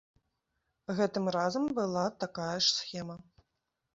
Гэтым разам была такая ж схема.